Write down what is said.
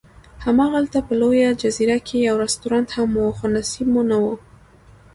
هماغلته په لویه جزیره کې یو رستورانت هم و، خو نصیب مو نه و.